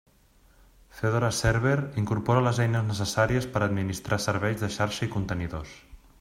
Fedora Server, incorpora les eines necessàries per administrar serveis de xarxa i contenidors.